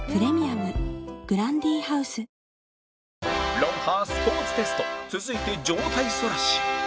『ロンハー』スポーツテスト続いて上体反らし